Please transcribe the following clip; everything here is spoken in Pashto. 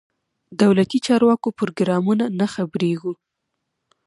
دولتي چارواکو پروګرام نه خبرېږو.